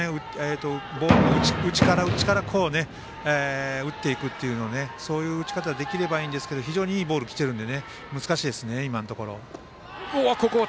ボールを内から内から打っていくというのをそういう打ち方できればいいんですけど非常にいいボールきてるので難しいですね、今のところ。